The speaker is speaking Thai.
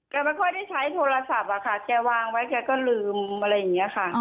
ไม่ค่อยได้ใช้โทรศัพท์อะค่ะแกวางไว้แกก็ลืมอะไรอย่างนี้ค่ะ